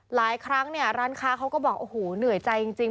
หลายครั้งเนี่ยร้านค้าเขาก็บอกโอ้โหเหนื่อยใจจริง